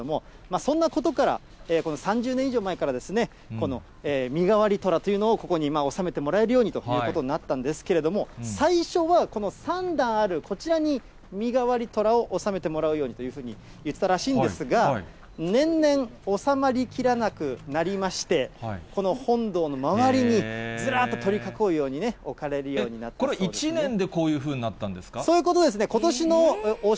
そんなことから、この３０年以上前からこの身がわり寅というのをここに納めてもらえるようにということになったんですけれども、最初はこの３段あるこちらに身がわり寅を納めてもらうようにといったらしいんですが、年々、納まりきらなくなりまして、この本堂の周りにずらっと取り囲うように、置かれるようになったこれ、１年でこういうふうにそういうことですね。